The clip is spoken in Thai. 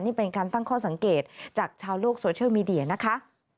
นี่เป็นการตั้งข้อสังเกตจากชาวโลกโซเชียลมีเดียนะคะ